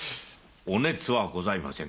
お熱はございませぬ。